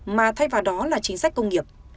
mà thay vào đó là chính sách công nghiệp